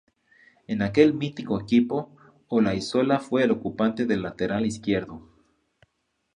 En aquel "mítico equipo" Olaizola fue el ocupante del lateral izquierdo.